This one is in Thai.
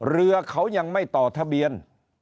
เรือเขายังไม่ต่อทะเบียน